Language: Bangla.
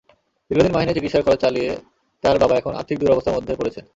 দীর্ঘদিন মাহিনের চিকিৎসার খরচ চালিয়ে তার বাবা এখন আর্থিক দুরবস্থার মধ্যে পড়েছেন।